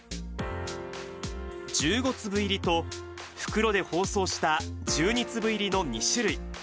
１５粒入りと、袋で包装した１２粒入りの２種類。